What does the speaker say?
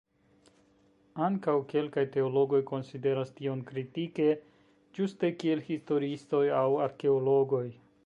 Ankaŭ kelkaj teologoj konsideras tion kritike, ĝuste kiel historiistoj aŭ arkeologoj.